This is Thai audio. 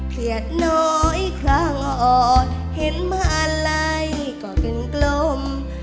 เผียดน้อยคล้างออดเห็นมาอะไรก็เป็นกลม